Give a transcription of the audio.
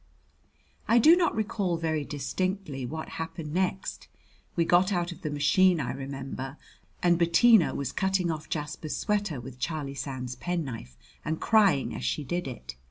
I do not recall very distinctly what happened next. We got out of the machine, I remember, and Bettina was cutting off Jasper's sweater with Charlie Sands' penknife, and crying as she did it.